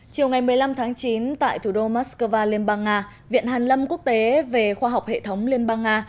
chiều ngày một mươi năm tháng chín tại thủ đô moscow liên bang nga viện hàn lâm quốc tế về khoa học hệ thống liên bang nga